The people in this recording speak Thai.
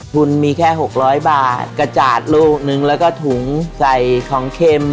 ทุนมีแค่หกร้อยบาทกระจาดลูกหนึ่งแล้วก็ถุงใส่ของเข็ม